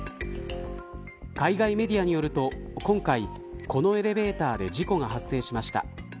海外メディアによると今回、このエレベーターで事故が発生しました。